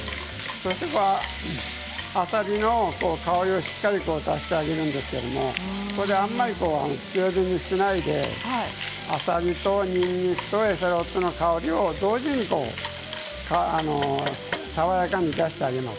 そして、あさりの香りをしっかり出してあげるんですけれどもあまり強火にしないであさりとにんにくとエシャロットの香りを同時に爽やかに出してあげます。